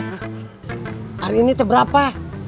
hari ini berapa